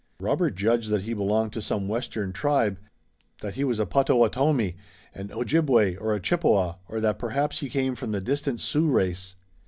Robert judged that he belonged to some western tribe, that he was a Pottawatomie, an Ojibway or a Chippewa or that perhaps he came from the distant Sioux race.